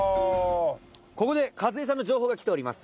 ここで数江さんの情報が来ております。